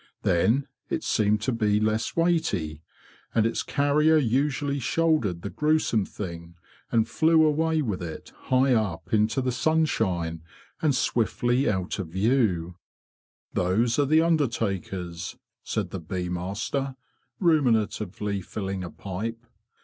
Then it seemed to be less weighty, and its carrier usually shouldered the gruesome thing, and flew away with it high up into the sunshine, and swiftly out of view. : fio ike) 28 THE BEE MASTER OF WARRILOW "Those are the undertakers,' said the bee master, ruminatively filling a pipe.